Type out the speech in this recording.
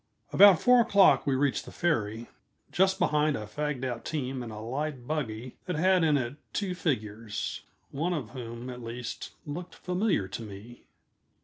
About four o'clock we reached the ferry, just behind a fagged out team and a light buggy that had in it two figures one of whom, at least, looked familiar to me.